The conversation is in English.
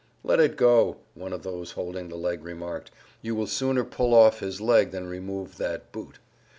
"Let it go," one of those holding the leg remarked, "you will sooner pull off his leg than remove that boot."